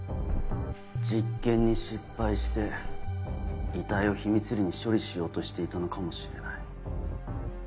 実験に失敗して遺体を秘密裏に処理しようとしていたのかもしれない。